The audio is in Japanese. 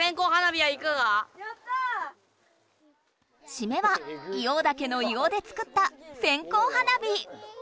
しめは硫黄岳の硫黄で作った線こう花火！